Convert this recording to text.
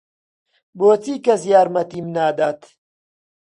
بۆچی کەس یارمەتیم نادات؟